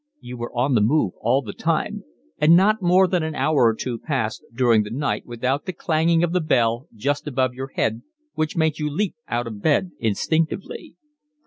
You were on the move all the time, and not more than an hour or two passed during the night without the clanging of the bell just above your head which made you leap out of bed instinctively.